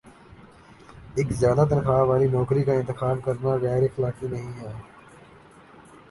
ایک زیادہ تنخواہ والی نوکری کا انتخاب کرنا غیراخلاقی نہیں ہے